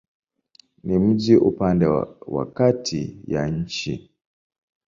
Ni mji upande wa kati ya nchi.